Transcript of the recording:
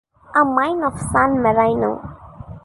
Amine of San Marino.